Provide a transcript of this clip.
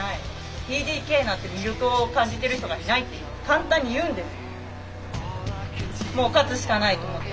ＴＤＫなんて魅力を感じている人がいないって簡単に言うんです。